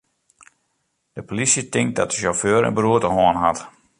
De polysje tinkt dat de sjauffeur in beroerte hân hat.